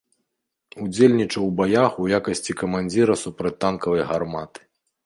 Удзельнічаў у баях у якасці камандзіра супрацьтанкавай гарматы.